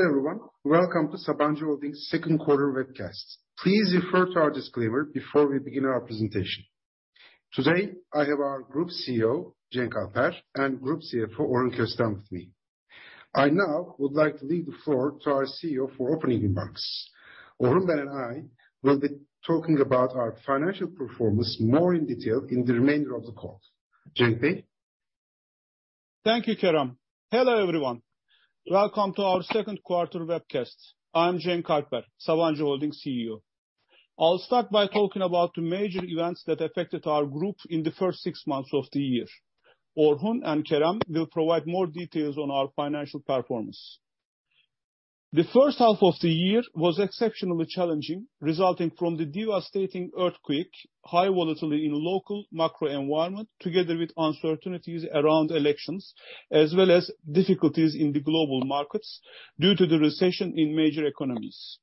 Hello, everyone. Welcome to Sabancı Holding's second quarter webcast. Please refer to our disclaimer before we begin our presentation. Today, I have our Group CEO, Cenk Alper, and Group CFO, Orhun Köstem with me. I now would like to leave the floor to our CEO for opening remarks. Orhun and I will be talking about our financial performance more in detail in the remainder of the call. Cenk Alper? Thank you, Kerem. Hello, everyone. Welcome to our second quarter webcast. I'm Cenk Alper, Sabancı Holding CEO. I'll start by talking about the major events that affected our group in the first six months of the year. Orhun and Kerem will provide more details on our financial performance. The first half of the year was exceptionally challenging, resulting from the devastating earthquake, high volatility in local macro environment, together with uncertainties around elections, as well as difficulties in the global markets due to the recession in major economies.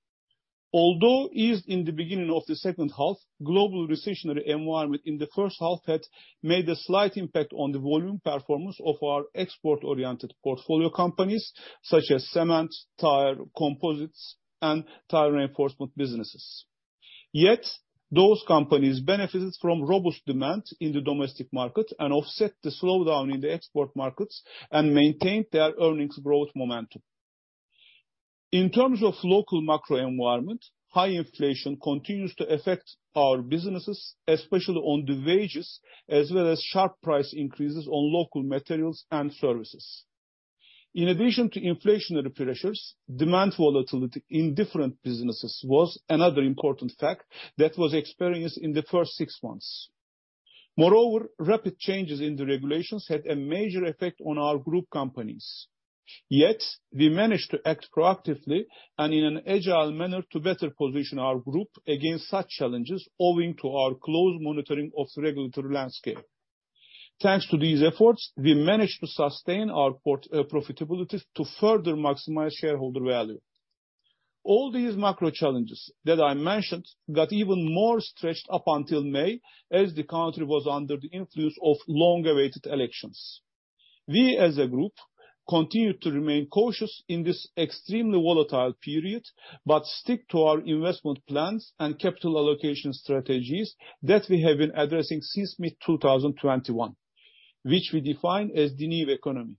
Although eased in the beginning of the second half, global recessionary environment in the first half had made a slight impact on the volume performance of our export-oriented portfolio companies, such as cement, tire, composites, and tire reinforcement businesses. Those companies benefited from robust demand in the domestic market and offset the slowdown in the export markets and maintained their earnings growth momentum. In terms of local macro environment, high inflation continues to affect our businesses, especially on the wages, as well as sharp price increases on local materials and services. In addition to inflationary pressures, demand volatility in different businesses was another important fact that was experienced in the first six months. Rapid changes in the regulations had a major effect on our group companies. We managed to act proactively and in an agile manner to better position our group against such challenges, owing to our close monitoring of the regulatory landscape. Thanks to these efforts, we managed to sustain our port profitability to further maximize shareholder value. All these macro challenges that I mentioned got even more stretched up until May, as the country was under the influence of long-awaited elections. We, as a group, continued to remain cautious in this extremely volatile period, but stick to our investment plans and capital allocation strategies that we have been addressing since mid-2021, which we define as the new economy.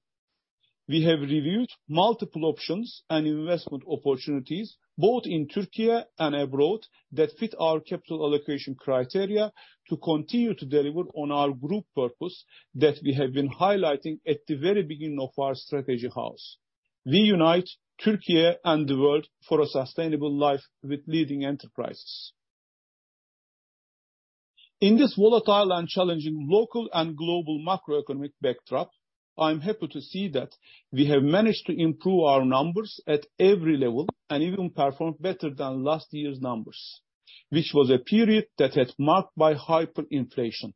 We have reviewed multiple options and investment opportunities, both in Türkiye and abroad, that fit our capital allocation criteria, to continue to deliver on our group purpose that we have been highlighting at the very beginning of our strategy house. We unite Türkiye and the world for a sustainable life with leading enterprises. In this volatile and challenging local and global macroeconomic backdrop, I'm happy to see that we have managed to improve our numbers at every level, and even performed better than last year's numbers, which was a period that had marked by hyperinflation.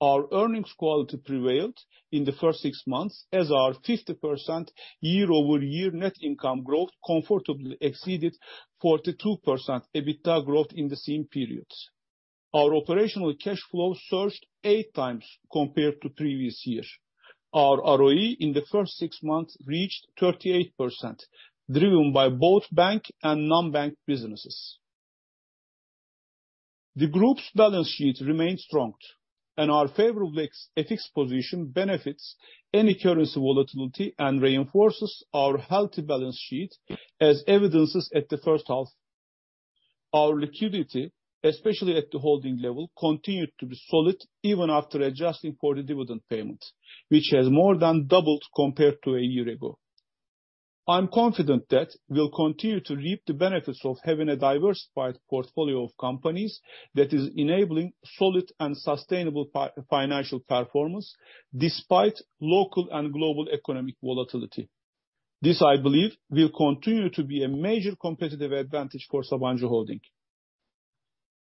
Our earnings quality prevailed in the first six months, as our 50% year-over-year net income growth comfortably exceeded 42% EBITDA growth in the same periods. Our operational cash flow surged eight times compared to previous year. Our ROE in the first six months reached 38%, driven by both bank and non-bank businesses. The group's balance sheet remains strong, and our favorable FX position benefits any currency volatility and reinforces our healthy balance sheet, as evidences at the first half. Our liquidity, especially at the holding level, continued to be solid even after adjusting for the dividend payment, which has more than doubled compared to a year ago. I'm confident that we'll continue to reap the benefits of having a diversified portfolio of companies that is enabling solid and sustainable financial performance, despite local and global economic volatility. This, I believe, will continue to be a major competitive advantage for Sabancı Holding.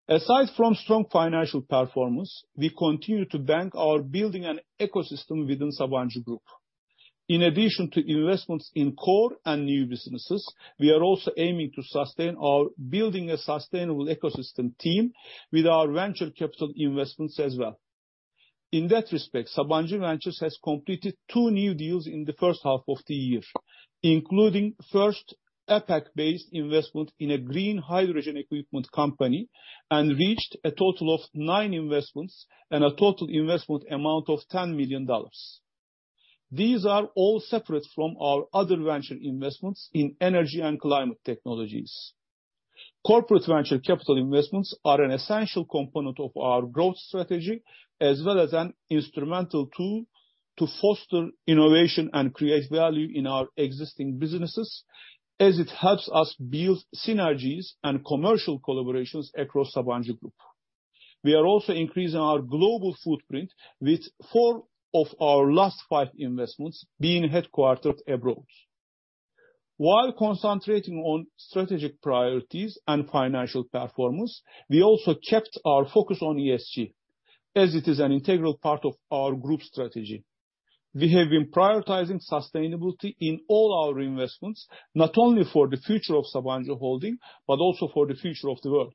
Aside from strong financial performance, we continue to bank our building and ecosystem within Sabancı Group. In addition to investments in core and new businesses, we are also aiming to sustain our building a sustainable ecosystem team with our venture capital investments as well. In that respect, Sabancı Ventures has completed two new deals in the first half of the year, including first APAC-based investment in a green hydrogen equipment company, and reached a total of nine investments and a total investment amount of $10 million. These are all separate from our other venture investments in energy and climate technologies. Corporate venture capital investments are an essential component of our growth strategy, as well as an instrumental tool to foster innovation and create value in our existing businesses, as it helps us build synergies and commercial collaborations across Sabancı Group. We are also increasing our global footprint with four of our last five investments being headquartered abroad. While concentrating on strategic priorities and financial performance, we also kept our focus on ESG, as it is an integral part of our group strategy. We have been prioritizing sustainability in all our investments, not only for the future of Sabancı Holding, but also for the future of the world.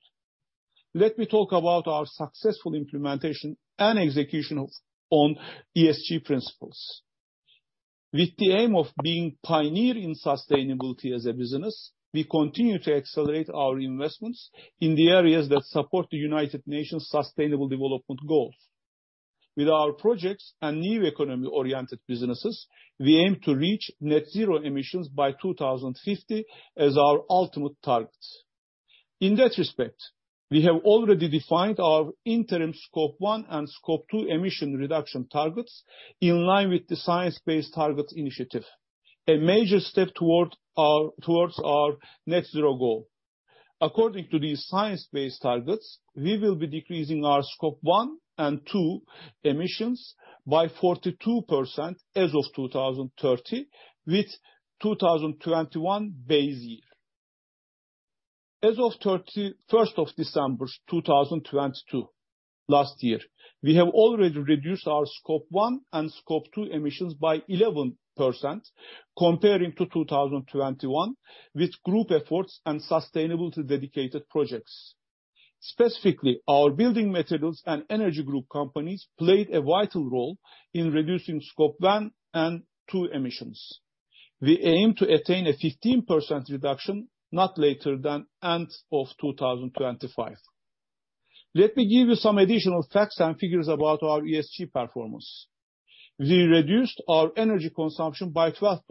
Let me talk about our successful implementation and execution of on ESG principles. With the aim of being pioneer in sustainability as a business, we continue to accelerate our investments in the areas that support the United Nations Sustainable Development Goals. With our projects and new economy-oriented businesses, we aim to reach net zero emissions by 2050 as our ultimate target. In that respect, we have already defined our interim Scope 1 and Scope 2 emission reduction targets in line with the Science Based Targets initiative, a major step towards our net zero goal. According to these science-based targets, we will be decreasing our Scope 1 and 2 emissions by 42% as of 2030, with 2021 base year. As of 31 December 2022, last year, we have already reduced our Scope 1 and Scope 2 emissions by 11% comparing to 2021, with group efforts and sustainable to dedicated projects. Specifically, our building materials and energy group companies played a vital role in reducing Scope 1 and 2 emissions. We aim to attain a 15% reduction, not later than end of 2025. Let me give you some additional facts and figures about our ESG performance. We reduced our energy consumption by 12%.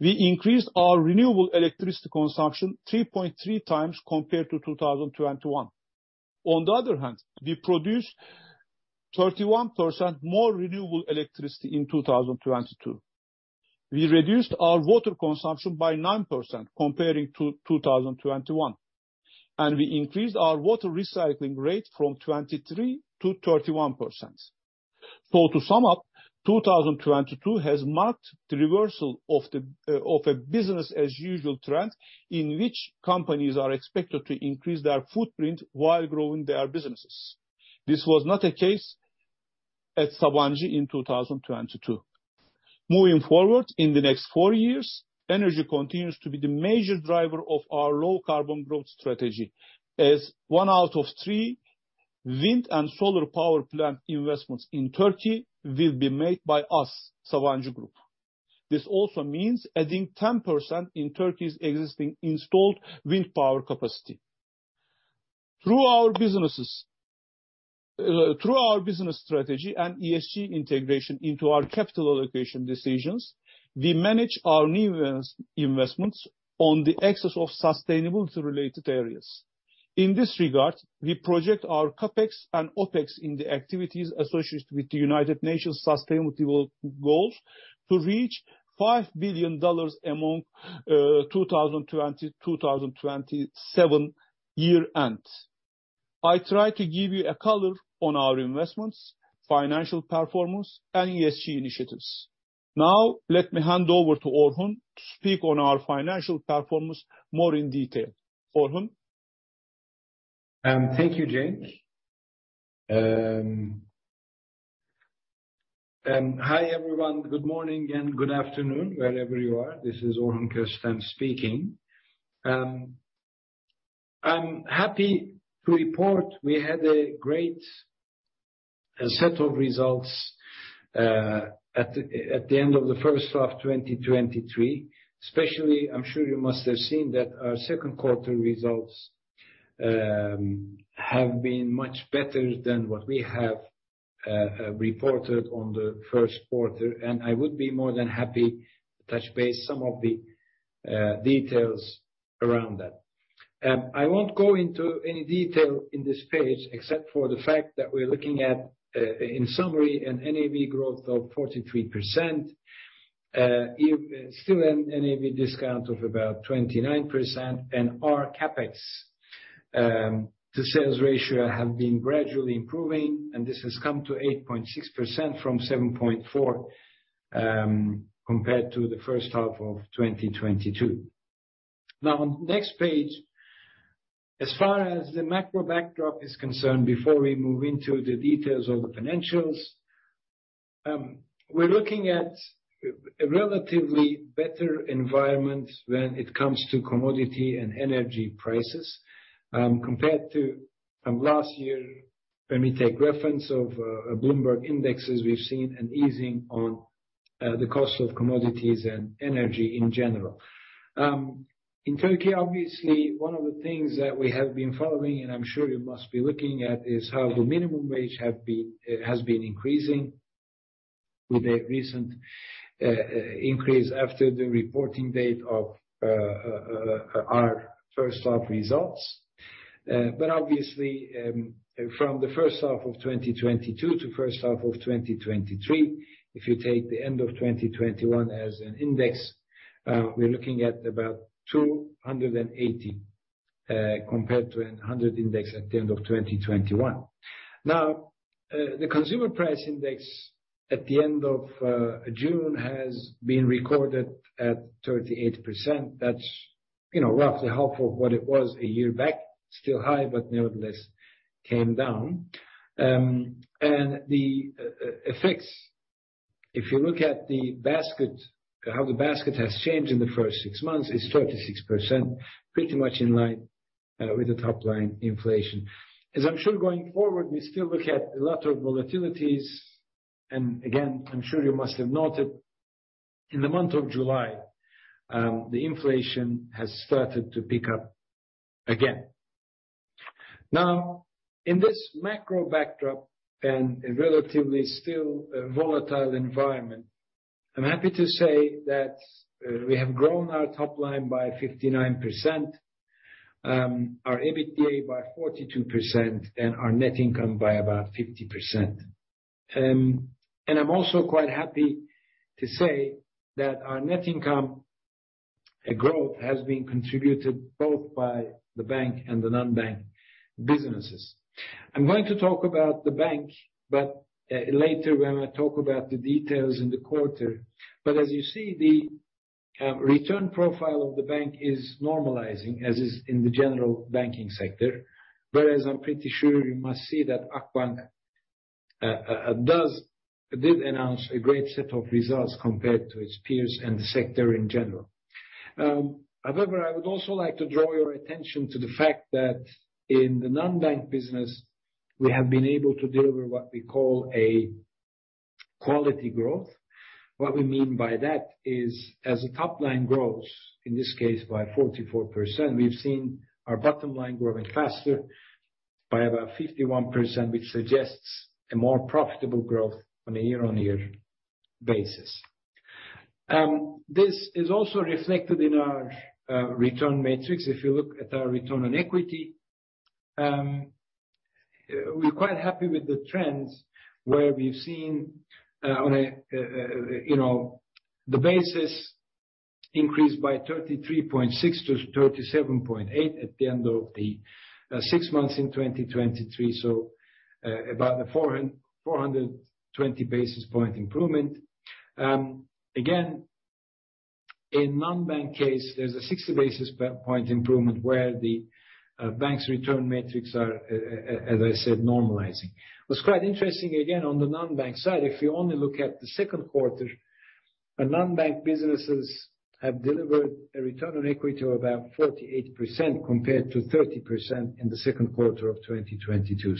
We increased our renewable electricity consumption 3.3 times compared to 2021. On the other hand, we produced 31% more renewable electricity in 2022. We reduced our water consumption by 9% comparing to 2021. We increased our water recycling rate from 23% to 31%. To sum up, 2022 has marked the reversal of a business as usual trend, in which companies are expected to increase their footprint while growing their businesses. This was not the case at Sabancı in 2022. Moving forward, in the next four years, energy continues to be the major driver of our low carbon growth strategy, as one out of three wind and solar power plant investments in Turkey will be made by us, Sabancı Group. This also means adding 10% in Turkey's existing installed wind power capacity. Through our businesses, through our business strategy and ESG integration into our capital allocation decisions, we manage our new investments on the axis of sustainability related areas. In this regard, we project our CapEx and OpEx in the activities associated with the United Nations Sustainable Development Goals to reach $5 billion among 2020-to-2027-year end. I try to give you a color on our investments, financial performance, and ESG initiatives. Let me hand over to Orhun to speak on our financial performance more in detail. Orhun? Thank you, Cenk. Hi, everyone. Good morning, good afternoon, wherever you are. This is Orhun Köstem speaking. I'm happy to report we had a great set of results at the end of the first half of 2023. Especially, I'm sure you must have seen that our second quarter results have been much better than what we have reported on the first quarter, and I would be more than happy to touch base some of the details around that. I won't go into any detail in this page, except for the fact that we're looking at, in summary, a NAV growth of 43%, if still a NAV discount of about 29%, and our CapEx to sales ratio have been gradually improving, and this has come to 8.6% from 7.4%, compared to the first half of 2022. On the next page, as far as the macro backdrop is concerned, before we move into the details of the financials, we're looking at a relatively better environment when it comes to commodity and energy prices. Compared to last year, let me take reference of Bloomberg indexes. We've seen an easing on the cost of commodities and energy in general. In Turkey, obviously, one of the things that we have been following, and I'm sure you must be looking at, is how the minimum wage have been has been increasing with a recent increase after the reporting date of our first half results. Obviously, from the first half of 2022 to first half of 2023, if you take the end of 2021 as an index, we're looking at about 280 compared to a 100 index at the end of 2021. Now, the consumer price index at the end of June has been recorded at 38%. That's, you know, roughly half of what it was a year back. Still high, but nevertheless came down. If you look at the basket, how the basket has changed in the first six months, it's 36%, pretty much in line with the top line inflation. As I'm sure going forward, we still look at a lot of volatilities, and again, I'm sure you must have noted, in the month of July, the inflation has started to pick up again. Now, in this macro backdrop and a relatively still volatile environment, I'm happy to say that we have grown our top line by 59%, our EBITDA by 42% and our net income by about 50%. I'm also quite happy to say that our net income growth has been contributed both by the bank and the non-bank businesses. I'm going to talk about the bank, but later, when I talk about the details in the quarter. As you see, the return profile of the bank is normalizing, as is in the general banking sector. I'm pretty sure you must see that Akbank did announce a great set of results compared to its peers and the sector in general. However, I would also like to draw your attention to the fact that in the non-bank business, we have been able to deliver what we call a quality growth. What we mean by that is, as the top line grows, in this case by 44%, we've seen our bottom line growing faster by about 51%, which suggests a more profitable growth on a year-on-year basis. This is also reflected in our return metrics. If you look at our return on equity, we're quite happy with the trends where we've seen, on a, you know, the basis increase by 33.6 to 37.8 at the end of the six months in 2023, so, about a 420 basis point improvement. Again, in non-bank case, there's a 60 basis per point improvement where the bank's return metrics are, as I said, normalizing. What's quite interesting, again, on the non-bank side, if you only look at the second quarter, our non-bank businesses have delivered a return on equity of about 48%, compared to 30% in the second quarter of 2022.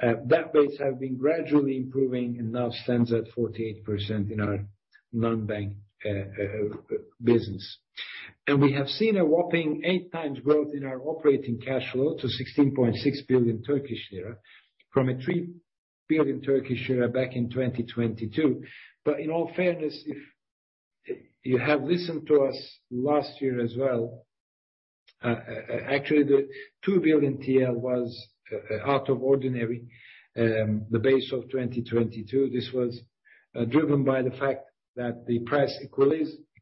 That base have been gradually improving and now stands at 48% in our non-bank business. We have seen a whopping 8x growth in our operating cash flow to TL 16.6 billion, from a TL 3 billion back in 2022. In all fairness, if you have listened to us last year as well, actually, the TL 2 billion was out of ordinary, the base of 2022. This was driven by the fact that the price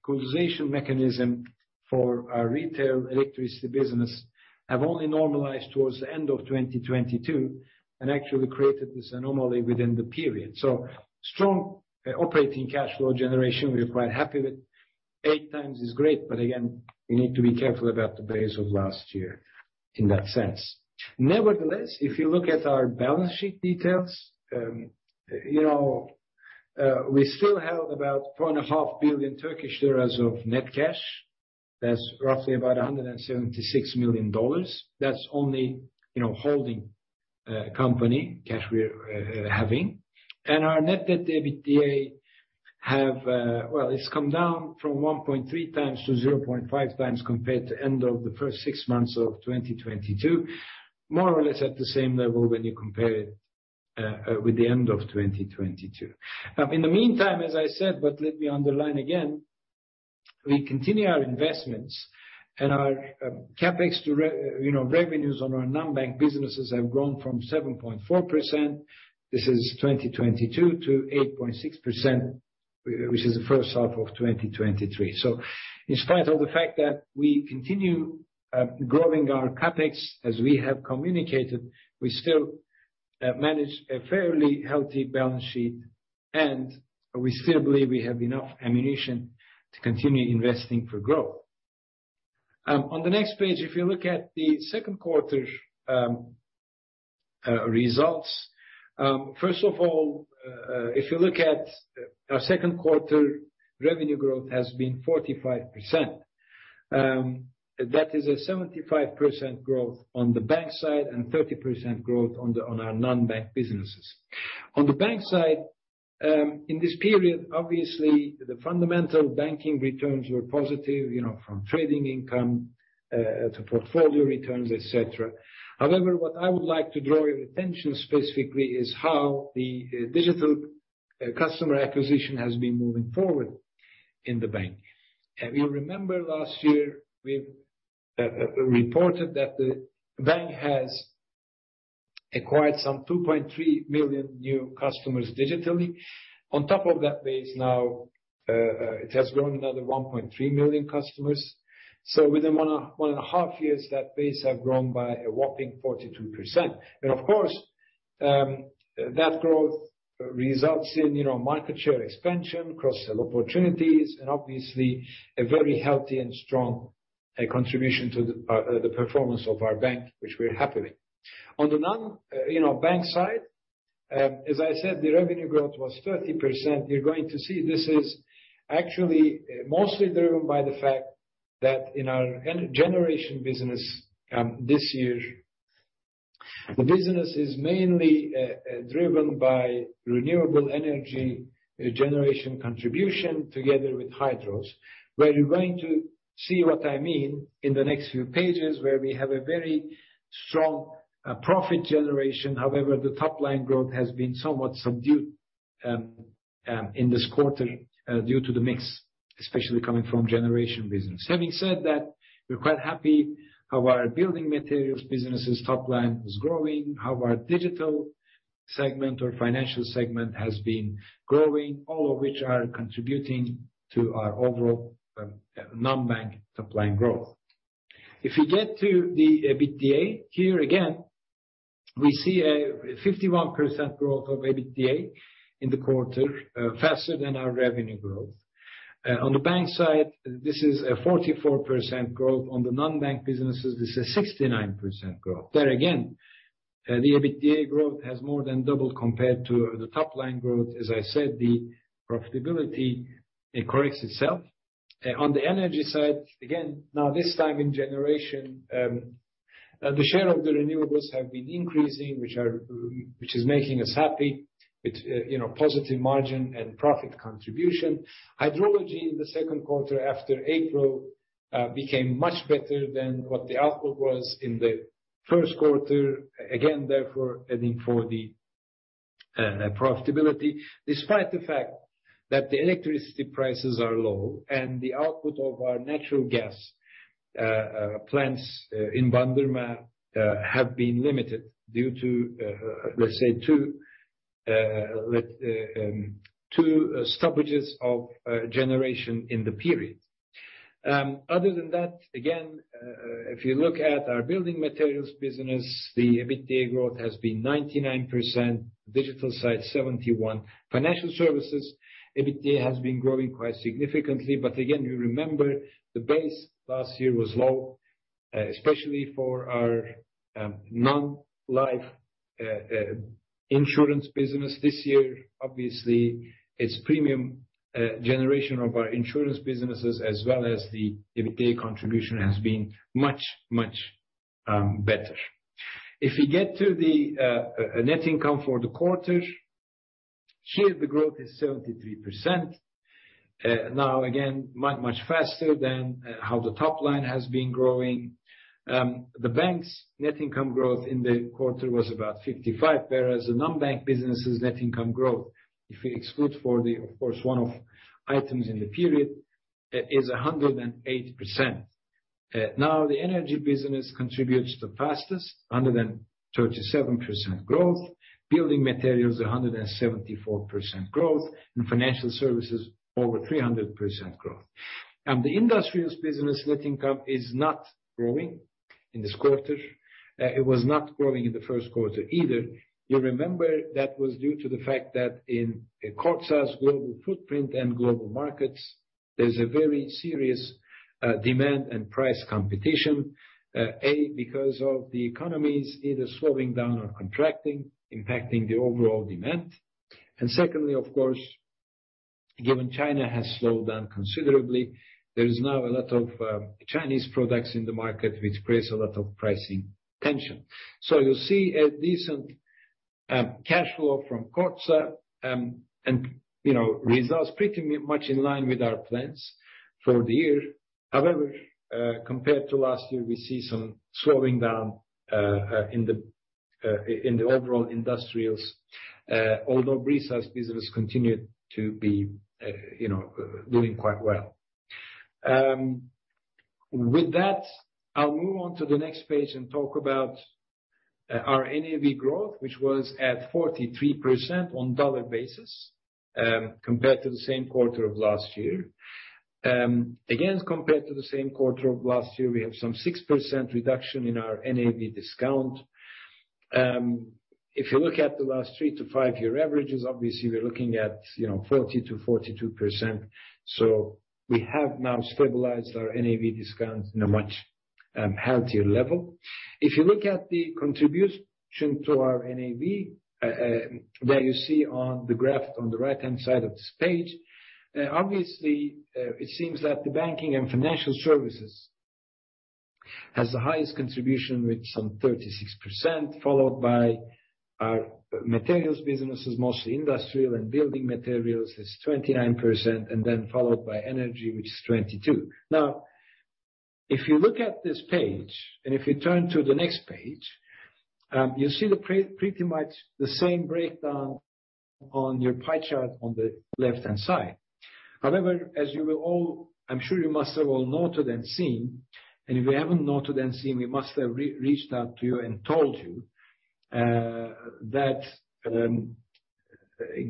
equalization mechanism for our retail electricity business have only normalized towards the end of 2022 and actually created this anomaly within the period. Strong operating cash flow generation, we are quite happy with. 8x is great, but again, we need to be careful about the base of last year in that sense. Nevertheless, if you look at our balance sheet details, you know, we still held about TL 4.5 billion of net cash. That's roughly about $176 million. That's only, you know, holding company cash we're having. Our Net Debt to EBITDA have come down from 1.3 times to 0.5 times compared to end of the first six months of 2022, more or less at the same level when you compare it with the end of 2022. In the meantime, as I said, but let me underline again, we continue our investments and our CapEx to you know, revenues on our non-bank businesses have grown from 7.4%, this is 2022, to 8.6%, which is the first half of 2023. In spite of the fact that we continue growing our CapEx, as we have communicated, we still manage a fairly healthy balance sheet, and we still believe we have enough ammunition to continue investing for growth. On the next page, if you look at the second quarter results, first of all, if you look at our second quarter, revenue growth has been 45%. That is a 75% growth on the bank side and 30% growth on our non-bank businesses. On the bank side, in this period, obviously, the fundamental banking returns were positive, you know, from trading income to portfolio returns, et cetera. However, what I would like to draw your attention specifically, is how the digital customer acquisition has been moving forward in the bank. You remember last year, we reported that the bank has acquired some 2.3 million new customers digitally. On top of that base now, it has grown another 1.3 million customers. Within one, one and a half years, that base have grown by a whopping 42%. Of course, that growth results in, you know, market share expansion, cross-sell opportunities, and obviously a very healthy and strong contribution to the performance of our bank, which we're happy with. On the non, you know, bank side, as I said, the revenue growth was 30%. You're going to see this is actually mostly driven by the fact that in our generation business, this year, the business is mainly driven by renewable energy generation contribution together with hydros, where you're going to see what I mean in the next few pages, where we have a very strong profit generation. However, the top line growth has been somewhat subdued in this quarter, due to the mix, especially coming from generation business. Having said that, we're quite happy how our building materials business's top line is growing, how our digital segment or financial segment has been growing, all of which are contributing to our overall non-bank top line growth. If you get to the EBITDA, here again, we see a 51% growth of EBITDA in the quarter, faster than our revenue growth. On the bank side, this is a 44% growth. On the non-bank businesses, this is 69% growth. There, again, the EBITDA growth has more than doubled compared to the top line growth. As I said, the profitability, it corrects itself. On the energy side, again, now this time in generation, the share of the renewables have been increasing, which is making us happy. It's, you know, positive margin and profit contribution. Hydrology in the second quarter after April became much better than what the output was in the first quarter. Again, therefore, adding for the profitability, despite the fact that the electricity prices are low and the output of our natural gas plants in Bandırma have been limited due to two stoppages of generation in the period. Other than that, again, if you look at our building materials business, the EBITDA growth has been 99%, digital side, 71. Financial services, EBITDA has been growing quite significantly, but again, you remember the base last year was low, especially for our non-life insurance business. This year, obviously, its premium generation of our insurance businesses, as well as the EBITDA contribution, has been much, much better. If you get to the net income for the quarter, here, the growth is 73%. Now, again, much, much faster than how the top line has been growing. The bank's net income growth in the quarter was about 55, whereas the non-bank business's net income growth, if you exclude for the, of course, one-off items in the period, is 108%. Now, the energy business contributes the fastest, 137% growth, building materials, 174% growth, and financial services, over 300% growth. The industrials business net income is not growing in this quarter. It was not growing in the first quarter either. You remember that was due to the fact that in Kordsa's global footprint and global markets, there's a very serious demand and price competition. Because of the economies either slowing down or contracting, impacting the overall demand. Secondly, of course, given China has slowed down considerably, there is now a lot of Chinese products in the market, which creates a lot of pricing tension. You'll see a decent cash flow from Kordsa, and, you know, results pretty much in line with our plans for the year. However, compared to last year, we see some slowing down in the overall industrials, although resource business continued to be, you know, doing quite well. With that, I'll move on to the next page and talk about our NAV growth, which was at 43% on dollar basis, compared to the same quarter of last year. Again, compared to the same quarter of last year, we have some 6% reduction in our NAV discount. If you look at the last three to five-year averages, obviously, we're looking at, you know, 40% to 42%. We have now stabilized our NAV discount in a much healthier level. If you look at the contribution to our NAV, where you see on the graph on the right-hand side of this page, obviously, it seems that the banking and financial services has the highest contribution, with some 36%, followed by our materials businesses, mostly industrial and building materials, is 29%, and then followed by energy, which is 22%. If you look at this page, and if you turn to the next page, you'll see the pre- pretty much the same breakdown on your pie chart on the left-hand side. However, as you will all... I'm sure you must have all noted and seen. If you haven't noted and seen, we must have reached out to you and told you, that,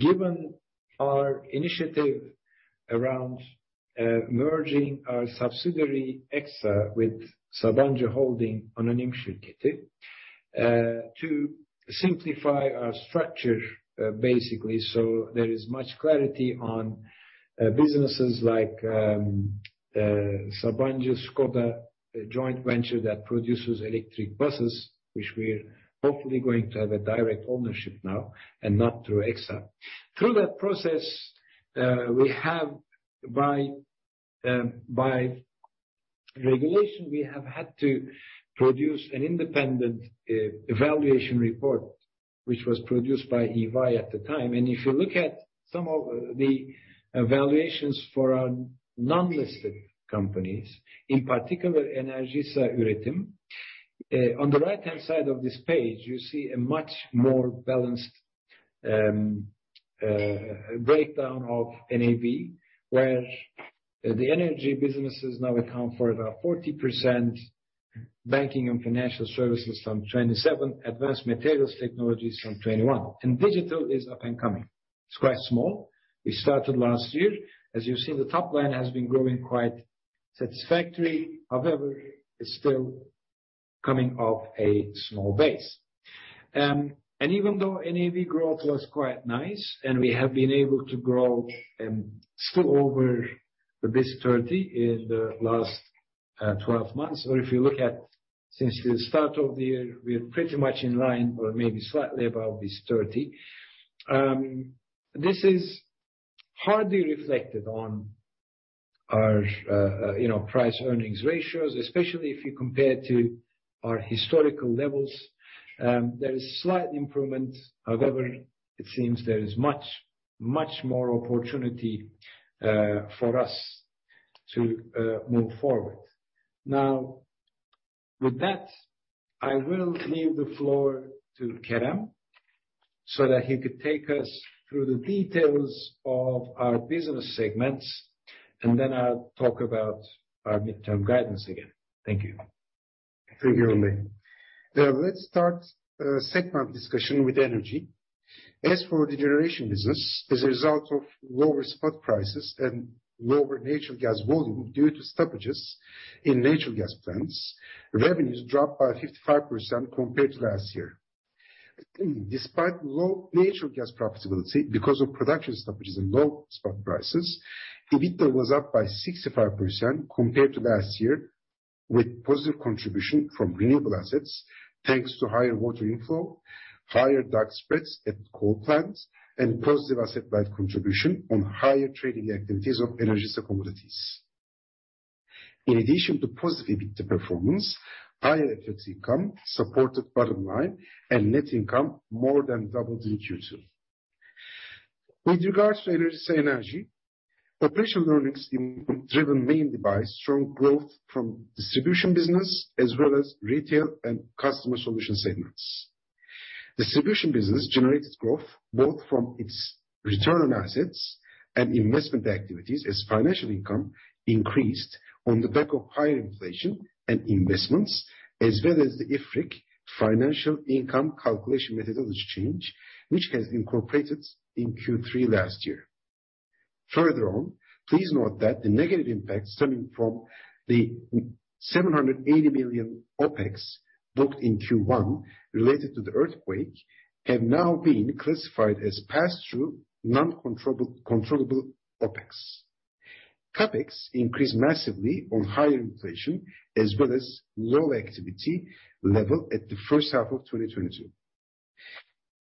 given our initiative around merging our subsidiary, Exsa, with Sabancı Holding Anonim Şirketi, to simplify our structure, basically, so there is much clarity on businesses like Sabancı Skoda, a joint venture that produces electric buses, which we're hopefully going to have a direct ownership now and not through Exsa. Through that process, we have by regulation, we have had to produce an independent evaluation report, which was produced by EY at the time. If you look at some of the evaluations for our non-listed companies, in particular, Enerjisa Üretim, on the right-hand side of this page, you see a much more balanced breakdown of NAV, where the energy businesses now account for about 40% banking and financial services from 27, advanced materials technologies from 21, and digital is up and coming. It's quite small. We started last year. As you see, the top line has been growing quite satisfactory. However, it's still coming off a small base. Even though NAV growth was quite nice, and we have been able to grow, still over the... this thirty in the last 12 months, or if you look at since the start of the year, we're pretty much in line or maybe slightly above this thirty. This is hardly reflected on our, you know, price earnings ratios, especially if you compare to our historical levels. There is slight improvement, however, it seems there is much, much more opportunity for us to move forward. With that, I will leave the floor to Kerem, so that he could take us through the details of our business segments, and then I'll talk about our midterm guidance again. Thank you. Thank you, Orhun. Let's start segment discussion with energy. As for the generation business, as a result of lower spot prices and lower natural gas volume due to stoppages in natural gas plants, revenues dropped by 55% compared to last year. Despite low natural gas profitability, because of production stoppages and low spot prices, EBITDA was up by 65% compared to last year, with positive contribution from renewable assets, thanks to higher water inflow, higher dark spreads at coal plants, and positive asset-wide contribution on higher trading activities of energy commodities. In addition to positive EBITDA performance, higher FX income supported bottom line and net income more than doubled in second quarter. With regards to Enerjisa Energy, operational earnings driven mainly by strong growth from distribution business as well as retail and customer solution segments. Distribution business generated growth both from its return on assets and investment activities, as financial income increased on the back of higher inflation and investments, as well as the IFRIC financial income calculation methodology change, which has been incorporated in third quarter last year. Further on, please note that the negative impacts stemming from the TL 780 million OpEx booked in first quarter related to the earthquake, have now been classified as pass-through, non-controllable, controllable OpEx. CapEx increased massively on higher inflation, as well as low activity level at the first half of 2022.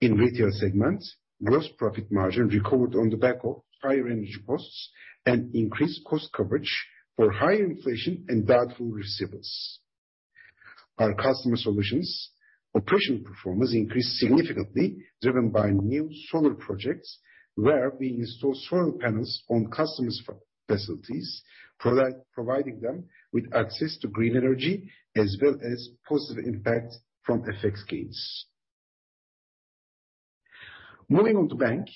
In retail segment, gross profit margin recovered on the back of higher energy costs and increased cost coverage for higher inflation and doubtful receivables. Our customer solutions, operational performance increased significantly, driven by new solar projects, where we install solar panels on customers' facilities, providing them with access to green energy as well as positive impact from FX gains. Moving on to bank.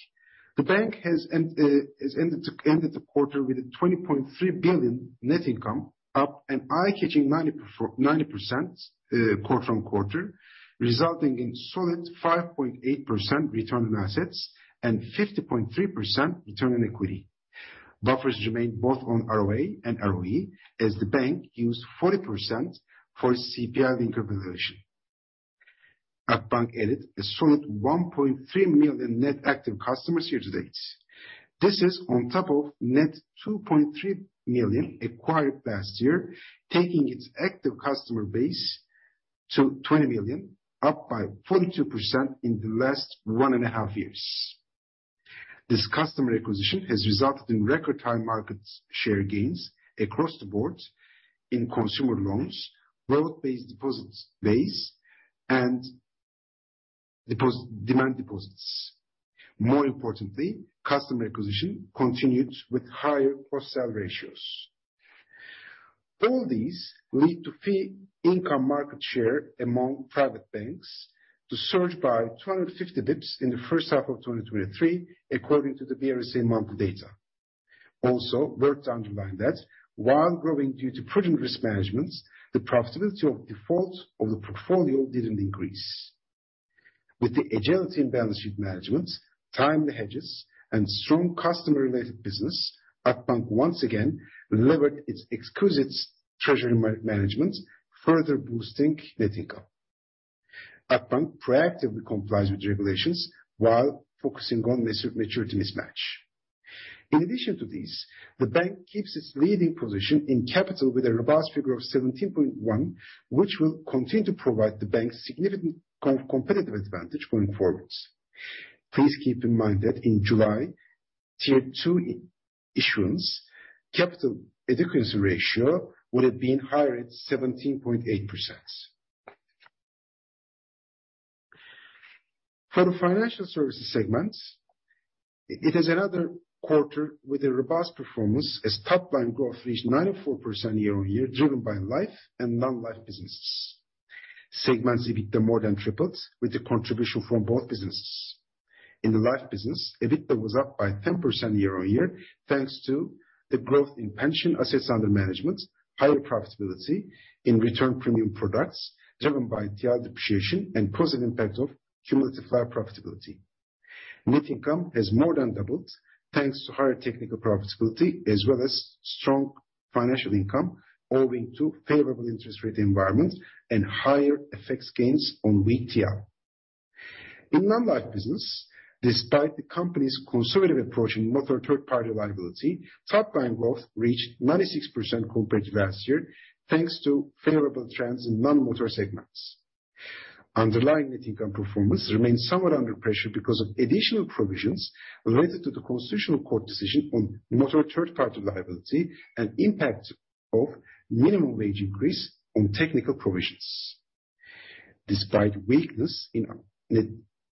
The bank has ended the quarter with a TL 20.3 billion net income, up an eye-catching 90% quarter-on-quarter, resulting in solid 5.8% return on assets and 50.3% return on equity. Buffers remain both on ROA and ROE, as the bank used 40% for CPI-linked inflation. Our bank added a solid 1.3 million net active customers year to date. This is on top of net TL 2.3 million acquired last year, taking its active customer base to 20 million, up by 42% in the last 1.5 years. This customer acquisition has resulted in record high market share gains across the board in consumer loans, loan-based deposits base, and demand deposits. More importantly, customer acquisition continued with higher cross-sell ratios. All these lead to fee income market share among private banks to surge by 250 basis points in the first half of 2023, according to the BRSA monthly data. Also, worth to underline that while growing due to prudent risk management, the profitability of default of the portfolio didn't increase. With the agility and balance sheet management, timely hedges, and strong customer-related business, Akbank once again delivered its exquisite treasury management, further boosting net income. Akbank proactively complies with regulations while focusing on maturity mismatch. In addition to this, the bank keeps its leading position in capital with a robust figure of 17.1, which will continue to provide the bank significant competitive advantage going forwards. Please keep in mind that in July, Tier 2 issuance, capital adequacy ratio would have been higher at 17.8%. For the financial services segments, it is another quarter with a robust performance as top-line growth reached 94% year-on-year, driven by life and non-life businesses. Segments EBITDA more than tripled with the contribution from both businesses. In the life business, EBITDA was up by 10% year-on-year, thanks to the growth in pension assets under management, higher profitability in return premium products driven by TL depreciation and positive impact of cumulative liability profitability. Net income has more than doubled, thanks to higher technical profitability, as well as strong financial income, owing to favorable interest rate environment and higher FX gains on weak TL. In non-life business, despite the company's conservative approach in motor third-party liability, top-line growth reached 96% compared to last year, thanks to favorable trends in non-motor segments. Underlying net income performance remains somewhat under pressure because of additional provisions related to the Constitutional Court decision on motor third-party liability and impact of minimum wage increase on technical provisions. Despite weakness in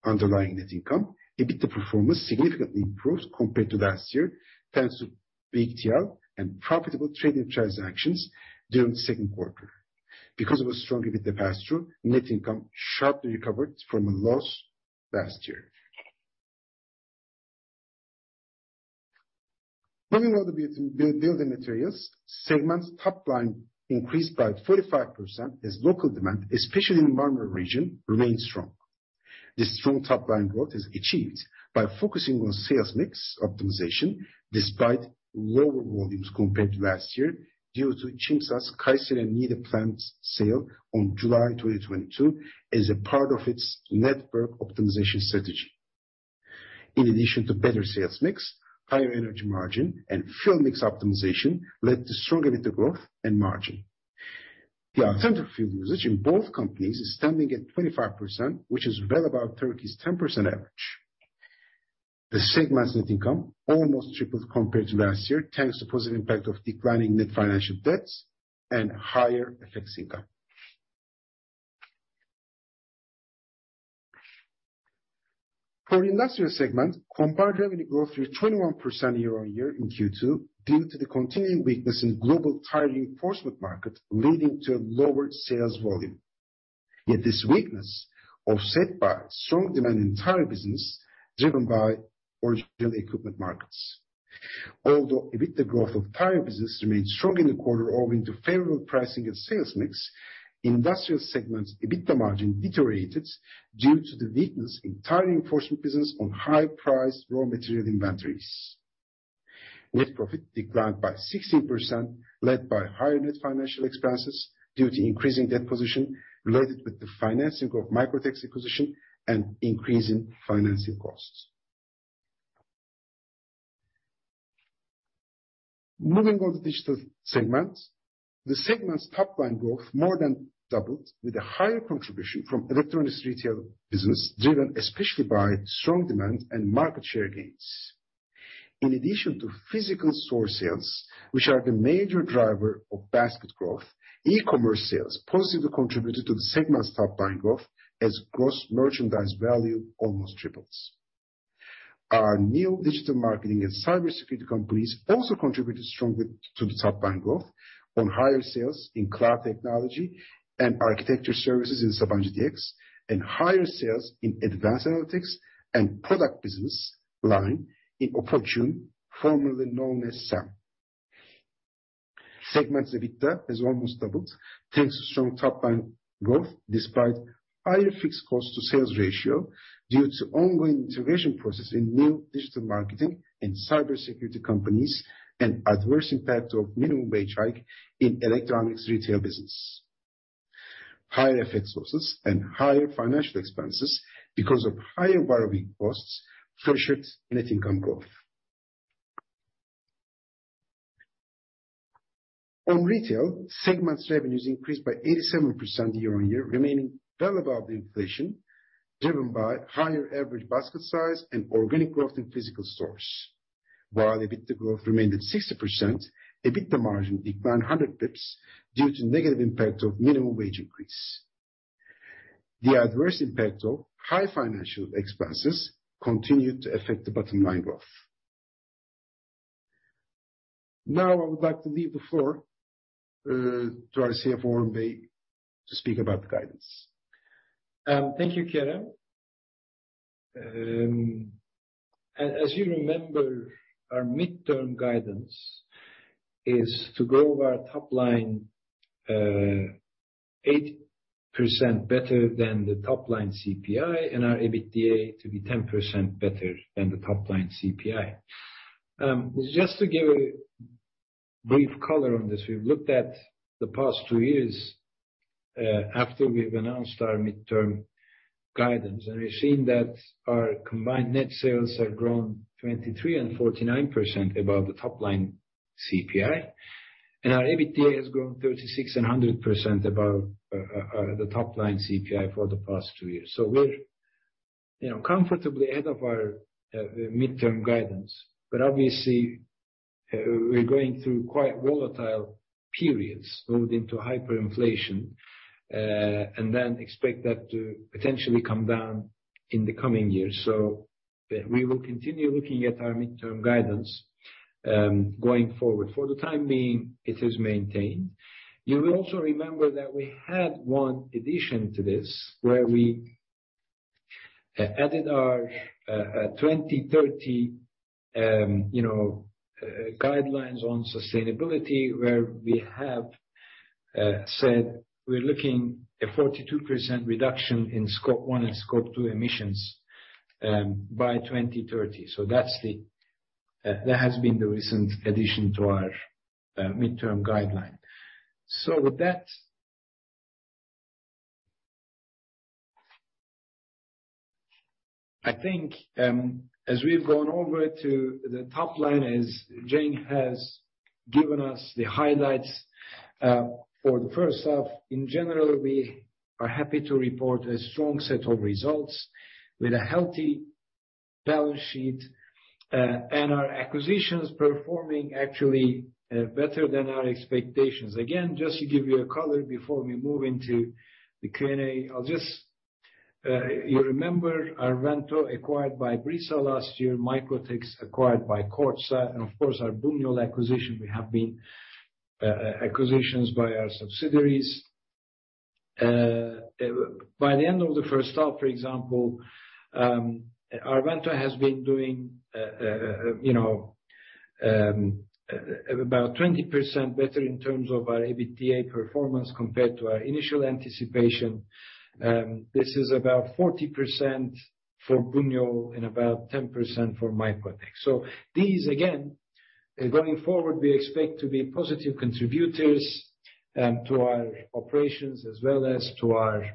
underlying net income, EBITDA performance significantly improved compared to last year, thanks to big TL and profitable trading transactions during the second quarter. Because of a strong EBITDA pass-through, net income sharply recovered from a loss last year. Moving on to building materials, segments top line increased by 45% as local demand, especially in the Marmara region, remained strong. This strong top line growth is achieved by focusing on sales mix optimization, despite lower volumes compared to last year, due to Çimsa's Kayseri and Niğde plants sale on July 2022, as a part of its network optimization strategy. In addition to better sales mix, higher energy margin and fuel mix optimization led to stronger EBITDA growth and margin. The authentic fuel usage in both companies is standing at 25%, which is well above Turkey's 10% average. The segment's net income almost tripled compared to last year, thanks to positive impact of declining net financial debts and higher FX income. For industrial segment, compared revenue growth of 21% year-on-year in second quarter, due to the continuing weakness in global tire reinforcement market, leading to a lower sales volume. This weakness offset by strong demand in tire business, driven by original equipment markets. EBITDA growth of tire business remained strong in the quarter, owing to favorable pricing and sales mix, industrial segments EBITDA margin deteriorated due to the weakness in tire enforcement business on high price raw material inventories. Net profit declined by 16%, led by higher net financial expenses due to increasing debt position related with the financing of Microtex acquisition and increase in financing costs. Moving on to digital segments. The segment's top line growth more than doubled with a higher contribution from electronics retail business, driven especially by strong demand and market share gains. In addition to physical store sales, which are the major driver of basket growth, e-commerce sales positively contributed to the segment's top line growth as gross merchandise value almost 3x. Our new digital marketing and cybersecurity companies also contributed strongly to the top line growth on higher sales in cloud technology and architecture services in Sabanci DX, and higher sales in advanced analytics and product business line in Oportun, formerly known as SAM. Segments EBITDA has almost 2x, thanks to strong top line growth, despite higher fixed cost to sales ratio, due to ongoing integration process in new digital marketing and cybersecurity companies, and adverse impact of minimum wage hike in electronics retail business. Higher FX losses and higher financial expenses because of higher borrowing costs pressures net income growth. On retail, segments revenues increased by 87% year-on-year, remaining well above the inflation, driven by higher average basket size and organic growth in physical stores. While EBITDA growth remained at 60%, EBITDA margin declined 100 pips due to negative impact of minimum wage increase. The adverse impact of high financial expenses continued to affect the bottom-line growth. Now, I would like to leave the floor to our CFO, Orhun Köstem, to speak about the guidance. Thank you, Kerem. As, as you remember, our midterm guidance is to grow our top line, 8% better than the top line CPI, and our EBITDA to be 10% better than the top line CPI. Just to give a brief color on this, we've looked at the past two years, after we've announced our midterm guidance, and we've seen that our combined net sales have grown 23% and 49% above the top line CPI. Our EBITDA has grown 36% and 100% above the top line CPI for the past two years. We're, you know, comfortably ahead of our midterm guidance. Obviously, we're going through quite volatile periods moving into hyperinflation, and then expect that to potentially come down in the coming years. We will continue looking at our midterm guidance going forward. For the time being, it is maintained. You will also remember that we had one addition to this, where we added our 2030, you know, guidelines on sustainability, where we have said we're looking a 42% reduction in Scope 1 and Scope 2 emissions by 2030. That's the that has been the recent addition to our midterm guideline. With that, I think, as we've gone over to the top line, as Cenk has given us the highlights for the first half, in general, we are happy to report a strong set of results with a healthy balance sheet, and our acquisitions performing actually better than our expectations. Again, just to give you a color before we move into the Q&A, I'll just... You remember Arvento acquired by Brisa last year, Microtex acquired by Kordsa, and of course, our Buñol acquisition. We have been acquisitions by our subsidiaries. By the end of the first half, for example, Arvento has been doing, you know, about 20% better in terms of our EBITDA performance compared to our initial anticipation. This is about 40% for Buñol and about 10% for Microtex. These, again, going forward, we expect to be positive contributors to our operations as well as to our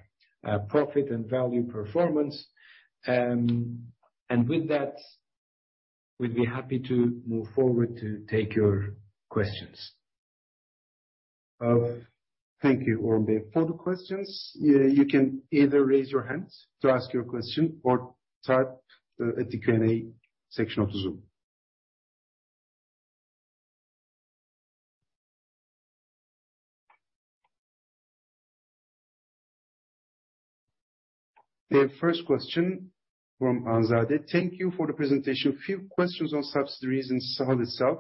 profit and value performance. With that, we'd be happy to move forward to take your questions. Thank you, Orhun. For the questions, you can either raise your hand to ask your question or type at the Q&A section of the Zoom. The first question from Anzade: Thank you for the presentation. A few questions on subsidiaries and Sahil itself.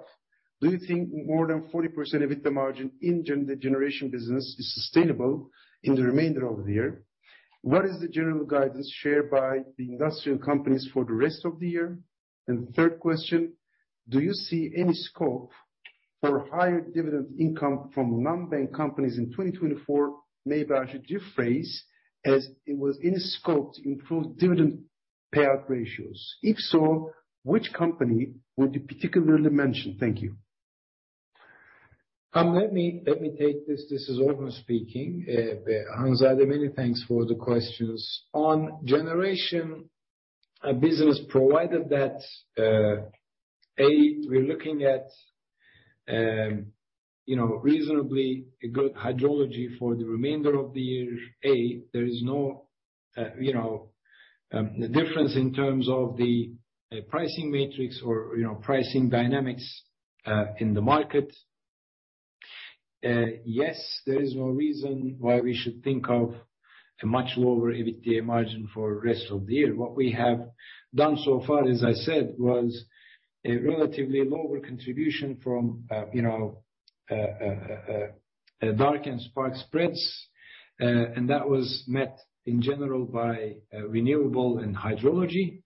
Do you think more than 40% of EBITDA margin in the generation business is sustainable in the remainder of the year? What is the general guidance shared by the industrial companies for the rest of the year? The third question, do you see any Scope for higher dividend income from non-bank companies in 2024? Maybe I should rephrase, as it was in Scope to improve dividend payout ratios. If so, which company would you particularly mention? Thank you. Let me, let me take this. This is Orhun speaking. Anzade, many thanks for the questions. On generation business, provided that A, we're looking at, you know, reasonably a good hydrology for the remainder of the year. There is no, you know, difference in terms of the pricing matrix or, you know, pricing dynamics in the market. Yes, there is no reason why we should think of a much lower EBITDA margin for the rest of the year. What we have done so far, as I said, was a relatively lower contribution from, you know, dark spreads and spark spreads. And that was met in general by renewable and hydrology.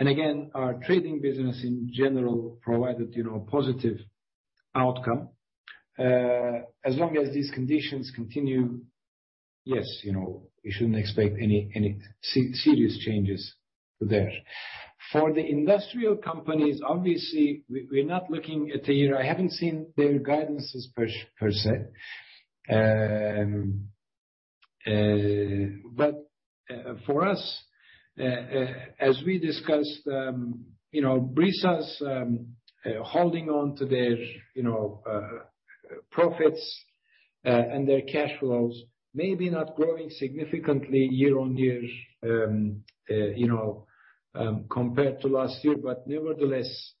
Again, our trading business in general provided, you know, positive outcome. As long as these conditions continue, yes, you know, we shouldn't expect any serious changes there. For the industrial companies, obviously, we're not looking at a year. I haven't seen their guidances per se. For us, as we discussed, you know, Brisa's holding on to their, you know, profits and their cash flows, maybe not growing significantly year on year, you know, compared to last year. Nevertheless,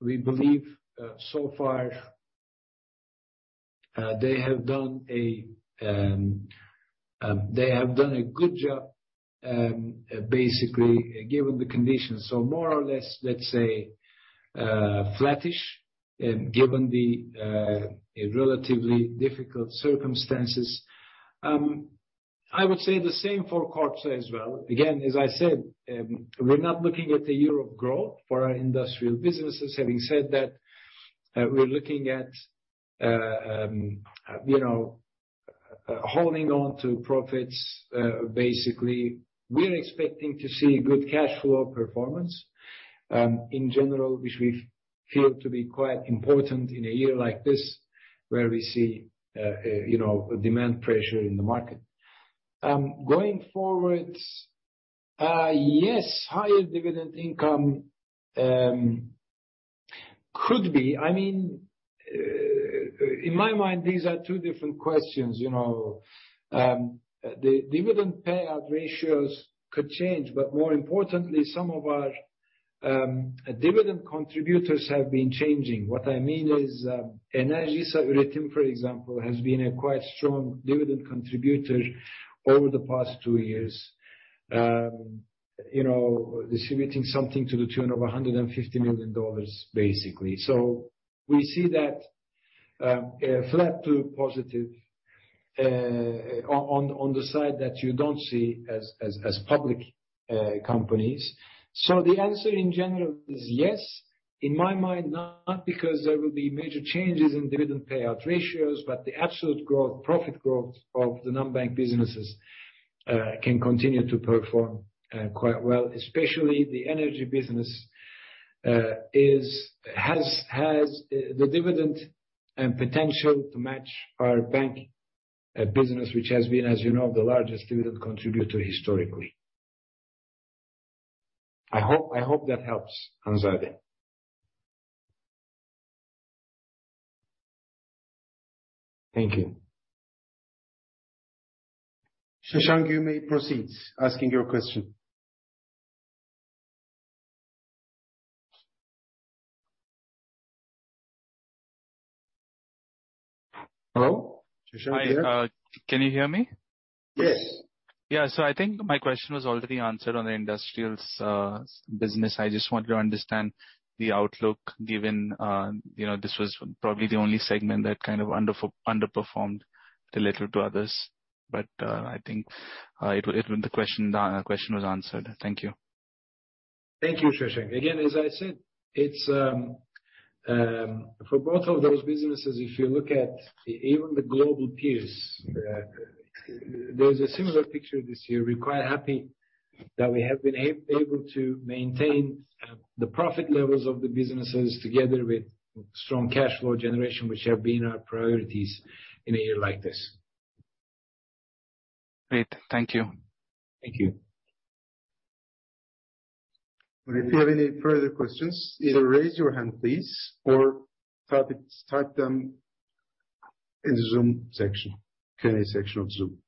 we believe so far they have done a good job, basically, given the conditions. More or less, let's say, flattish, given the relatively difficult circumstances. I would say the same for Kordsa as well. Again, as I said, we're not looking at the year of growth for our industrial businesses. Having said that, we're looking at, you know, holding on to profits, basically. We're expecting to see good cash flow performance, in general, which we feel to be quite important in a year like this, where we see, you know, demand pressure in the market. Going forward, yes, higher dividend income could be. I mean, in my mind, these are two different questions, you know. The dividend payout ratios could change, but more importantly, some of our dividend contributors have been changing. What I mean is, Enerjisa Üretim, for example, has been a quite strong dividend contributor over the past two years. You know, distributing something to the tune of $150 million, basically. We see that, flat to positive, on, on the side that you don't see as, as, as public, companies. The answer, in general, is yes. In my mind, not because there will be major changes in dividend payout ratios, but the absolute growth, profit growth of the non-bank businesses, can continue to perform quite well. Especially the energy business has the dividend potential to match our bank business, which has been, as you know, the largest dividend contributor historically. I hope, I hope that helps, Anzade. Thank you. Sashank, you may proceed asking your question. Hello, Sashank, are you there? Hi, can you hear me? Yes. Yeah. I think my question was already answered on the industrials business. I just want to understand the outlook, given, you know, this was probably the only segment that kind of underperformed relative to others. I think the question was answered. Thank you. Thank you, Shashank. As I said, it's for both of those businesses, if you look at even the global peers, there's a similar picture this year. We're quite happy that we have been able to maintain the profit levels of the businesses together with strong cash flow generation, which have been our priorities in a year like this. Great. Thank you. Thank you. If you have any further questions, either raise your hand, please, or type them in Zoom section, Q&A section of Zoom.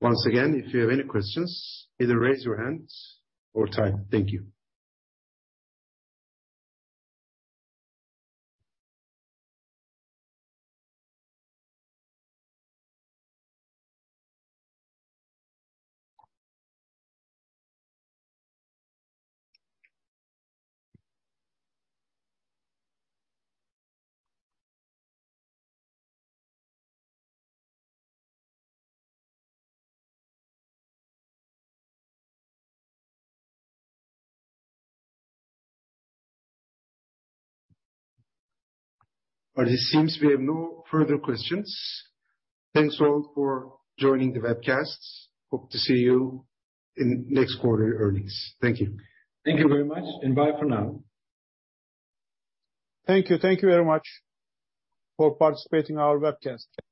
Once again, if you have any questions, either raise your hands or type. Thank you. It seems we have no further questions. Thanks, all, for joining the webcast. Hope to see you in next quarter earnings. Thank you. Thank you very much, and bye for now. Thank you. Thank you very much for participating in our webcast. Thank you.